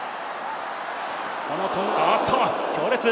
おっと強烈！